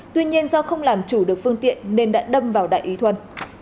tuy nhiên do không làm chủ được phương tiện nên đã đâm vào đại úy thuân